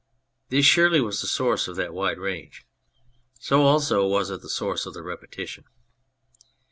This surely was the source of that wide range. So also was it the source of the repetition.